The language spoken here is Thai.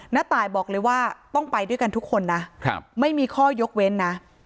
ตายบอกเลยว่าต้องไปด้วยกันทุกคนนะไม่มีข้อยกเว้นนะ